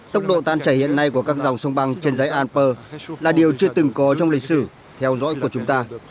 tốc độ tan chảy hiện nay của các dòng sông băng trên dãy alper là điều chưa từng có trong lịch sử theo dõi của chúng ta